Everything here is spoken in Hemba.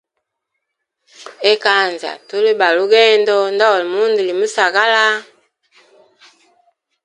Ekanza tuli ba lugendo, ndauli mundu limusagala.